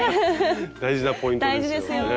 大事なポイントですよね。